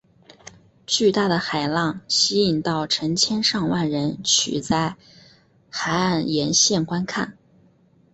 巨大的海浪吸引到成千上万人取在海岸沿线观看。